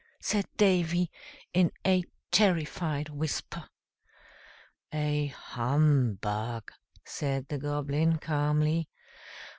said Davy, in a terrified whisper. "A Hum Bug," said the Goblin, calmly.